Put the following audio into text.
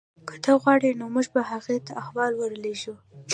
که ته غواړې نو موږ به هغې ته احوال ورلیږو